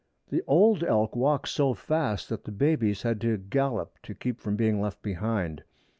The old elk walked so fast that the babies had to gallop to keep from being left behind.